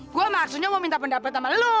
gue maksudnya mau minta pendapat sama lo